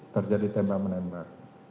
terjadi tembak menembak